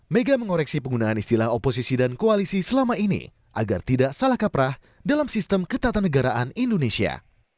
mega mengoreksi penggunaan istilah oposisi dan koalisi selama ini agar tidak salah kaprah dalam sistem ketatanegaraan indonesia